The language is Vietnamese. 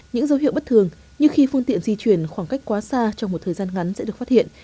những dấu hiệu bất thường như khi phương tiện di chuyển khoảng cách quá xa trong một thời gian ngắn sẽ được phát hiện